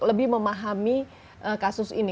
lebih memahami kasus ini